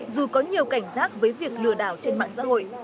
dù có nhiều cảnh giác với việc lừa đảo trên mạng xã hội